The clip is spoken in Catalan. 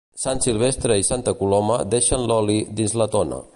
Sant Silvestre i Santa Coloma deixen l'oli dins la tona.